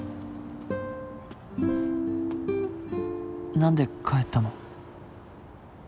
「なんで帰ったの？」